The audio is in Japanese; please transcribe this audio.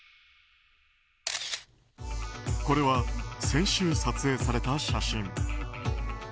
これは先週、撮影された写真。